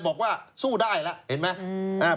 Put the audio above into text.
บอกว่าสู้ได้แล้วเห็นไหม